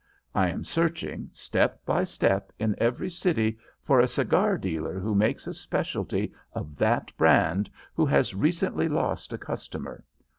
I am searching, step by step, in every city for a cigar dealer who makes a specialty of that brand who has recently lost a customer.